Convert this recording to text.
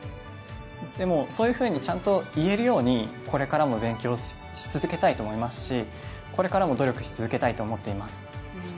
でも、そういうふうにちゃんと言えるようにこれからも勉強し続けたいと思いますしこれからも努力し続けたいと思っています。